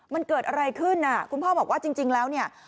มันเกิดอะไรขึ้นคุณพ่อบอกว่าจริงแล้วเนี่ย